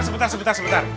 sebentar sebentar sebentar